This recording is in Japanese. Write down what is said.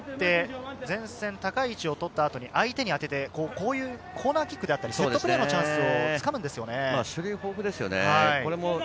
高い位置をとった後に相手に当ててコーナーキックやセットプレーのチャンスをつかむんですよね。